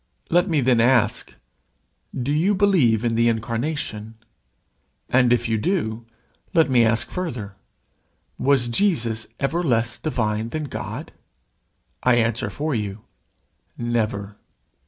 Let me then ask, do you believe in the Incarnation? And if you do, let me ask further, Was Jesus ever less divine than God? I answer for you, Never.